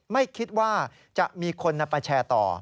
ไม่คิดว่าจะมีคนนำไปแชร์ต่อ